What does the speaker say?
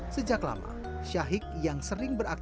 sejak lama syahik yang sering beraktiv